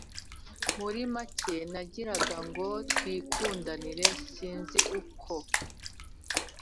murimake nagiraga ngo twikundanire sinzi uko